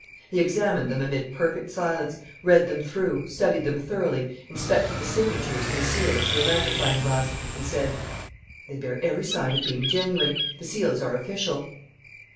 He examined them amid perfect silence, read them through, studied them thoroughly, inspected the signatures and the seals through a magnifying glass, and said: "They bear every sign of being genuine. The seals are official."